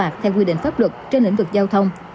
theo quy định pháp luật trên lĩnh vực giao thông